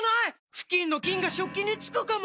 フキンの菌が食器につくかも⁉